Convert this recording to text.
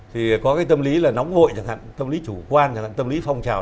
thì có cái tâm lý là nóng vội tâm lý chủ quan tâm lý phong trào